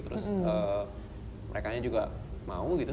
terus merekanya juga mau gitu